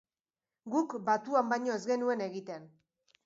Guk batuan baino ez genuen egiten.